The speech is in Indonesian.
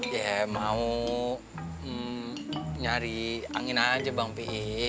ya mau nyari angin aja bang pi